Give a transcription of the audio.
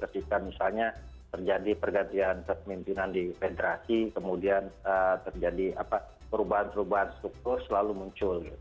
ketika misalnya terjadi pergantian kepemimpinan di federasi kemudian terjadi perubahan perubahan struktur selalu muncul